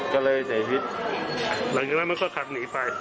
เกิดเลยเสพฤตหลังจากนั้นมันก็ขับหนีไป